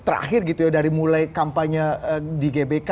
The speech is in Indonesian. terakhir gitu ya dari mulai kampanye di gbk